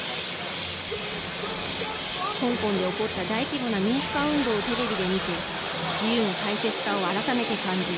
香港で起こった大規模な民主化運動をテレビで見て自由の大切さを改めて感じ